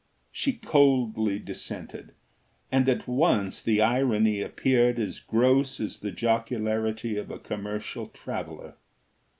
She coldly dissented, and at once the irony appeared as gross as the jocularity of a commercial traveller.